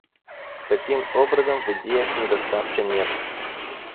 Таким образом, в идеях недостатка нет.